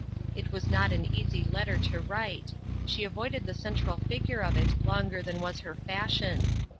It was not an easy letter to write ; she avoided the central feature of it longer than was her fashion.